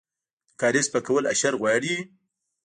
د کاریز پاکول حشر غواړي؟